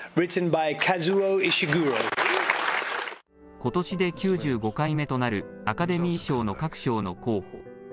ことしで９５回目となるアカデミー賞の各賞の候補。